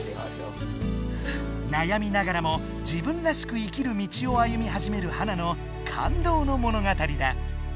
なやみながらも自分らしく生きる道を歩みはじめるハナの感動のものがたりだ。